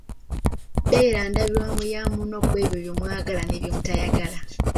Beera ndabirwamu ya munno ku ebyo bye mwagala ne byemutayagala.